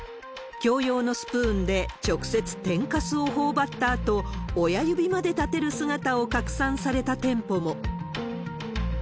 共用のスプーンで直接天かすをほおばったあと、親指まで立てる姿を拡散された店舗も。